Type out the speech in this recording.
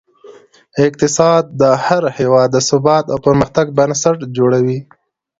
اقتصاد د هر هېواد د ثبات او پرمختګ بنسټ جوړوي.